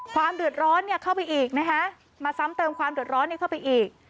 ความเดือดร้อนเข้าไปอีกนะคะมาซ้ำเติมความเดือดร้อนเข้าไปอีก